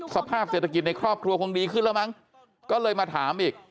สภาพเศรษฐกิจในครอบครัวคงดีขึ้นแล้วมั้งก็เลยมาถามอีก